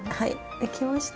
できました。